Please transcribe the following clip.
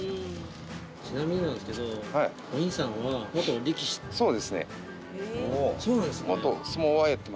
ちなみになんですけどお兄さんは元力士ですか？